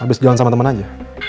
abis jalan sama temen aja